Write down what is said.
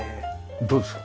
どうですか？